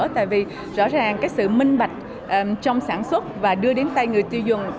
tại vì rõ ràng cái sự minh bạch trong sản xuất và đưa đến tay người tiêu dùng